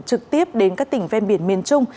trực tiếp đến các tỉnh ven biển miền trung